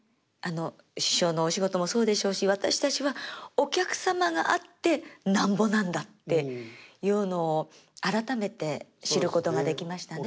師匠のお仕事もそうでしょうし私たちはお客様があってなんぼなんだっていうのを改めて知ることができましたね。